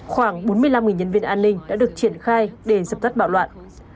khoảng bốn mươi năm nhân viên an ninh đã được triển khai để dập tắt bạo loạn